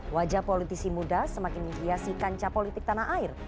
wajah politisi muda semakin menghiasi kancah politik tanah air